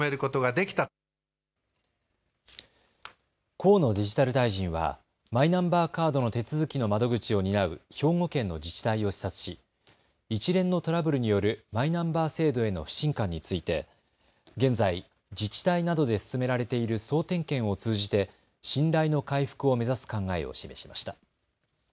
河野デジタル大臣はマイナンバーカードの手続きの窓口を担う兵庫県の自治体を視察し一連のトラブルによるマイナンバー制度への不信感について現在、自治体などで進められている総点検を通じて信頼の回復を目指す考えを示しました。